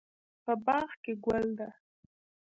په باغ کې ګل ده